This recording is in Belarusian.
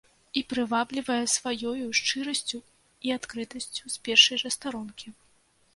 І прываблівае сваёю шчырасцю і адкрытасцю з першай жа старонкі.